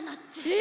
え⁉